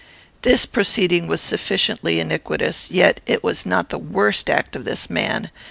"This proceeding was sufficiently iniquitous; yet it was not the worst act of this man.